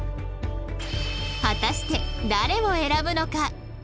果たして誰を選ぶのか？